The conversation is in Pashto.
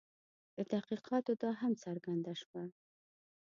له تحقیقاتو دا هم څرګنده شوه.